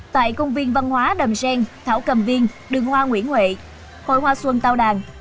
tại công viên văn hóa đầm sen thảo cầm viên đường hoa nguyễn huệ hội hoa xuân tao đàn